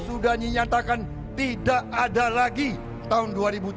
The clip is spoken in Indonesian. sudah dinyatakan tidak ada lagi tahun dua ribu tujuh belas